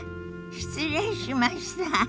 失礼しました。